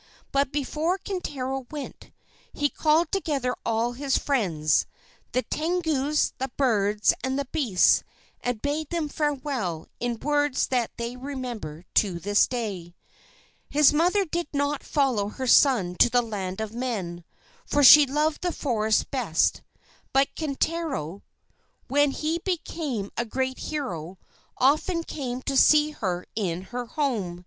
But before Kintaro went, he called together all his friends, the Tengus, the birds, and the beasts, and bade them farewell, in words that they remember to this day. His mother did not follow her son to the land of men, for she loved the forest best; but Kintaro, when he became a great hero, often came to see her in her home.